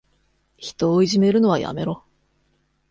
人をいじめるのはやめろ。